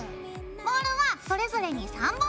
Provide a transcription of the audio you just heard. モールはそれぞれに３本ずつ。